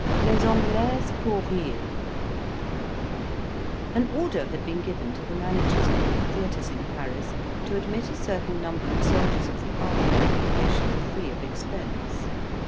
LES ANGLAISES POUR RIRE An order had been given to the managers of all the theatres in Paris to admit a certain number of soldiers of the army of occupation, free of expense.